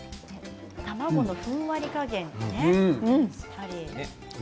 卵のふんわり加減がね。